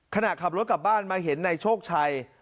ขณะขับรถกลับบ้านมาเห็นนายโชคชัย